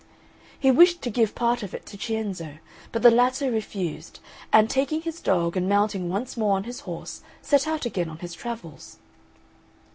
He wished to give part of it to Cienzo, but the latter refused; and taking his dog and mounting once more on his horse set out again on his travels.